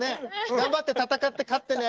頑張って戦って勝ってね。